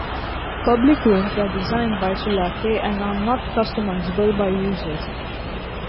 Public rooms are designed by Sulake and are not customizable by users.